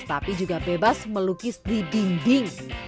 tapi juga bebas melukis di dinding